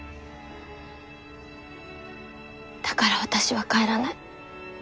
だから私は帰らない。